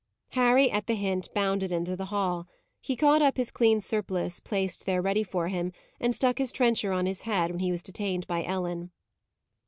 Harry, at the hint, bounded into the hall. He caught up his clean surplice, placed there ready for him, and stuck his trencher on his head, when he was detained by Ellen.